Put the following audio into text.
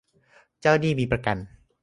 เจ้าหนี้มีประกัน